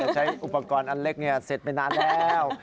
ใช้อุปกรณ์อันเล็กเสร็จไปนานแล้ว